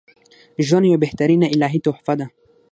ژوند یوه بهترینه الهی تحفه ده